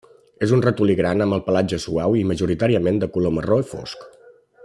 És un ratolí gran amb el pelatge suau i majoritàriament de color marró fosc.